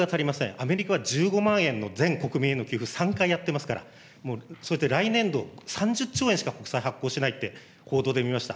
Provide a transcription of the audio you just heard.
アメリカは１５万円の全国民への給付、３回やってますから、もう、それで来年度、３０兆円しか国債発行してないって、報道で見ました。